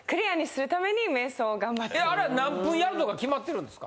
あれは何分やるとか決まってるんですか？